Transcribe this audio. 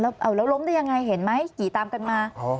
แล้วล้มได้ยังไงเห็นไหมขี่ตามกันมา